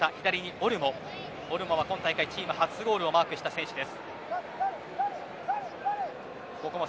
オルモは今大会チーム初ゴールをマークした選手です。